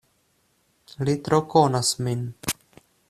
Li tro konas min.